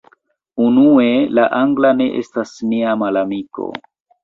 Unue, la angla ne estas nia malamiko.